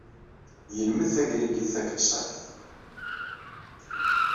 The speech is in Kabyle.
Yelmed tagrigit takelsakt.